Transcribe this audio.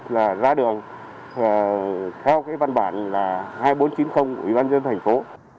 các trường hợp ra đường theo văn bản hai nghìn bốn trăm chín mươi ủy ban dân thành phố